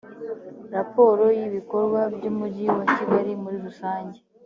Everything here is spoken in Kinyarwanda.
raporo y ibikorwa by umujyi wa kigali muri rusange